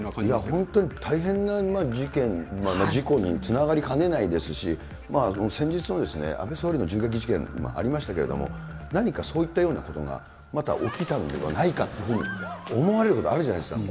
本当に大変な事件、事故につながりかねないですし、先日の安倍総理の銃撃事件もありましたけれども、何かそういったようなことが、また起きたのではないかというふうに思われるわけじゃないですか。